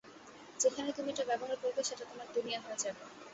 যেখানেই তুমি এটা ব্যবহার করবে, সেটা তোমার দুনিয়া হয়ে যাবে।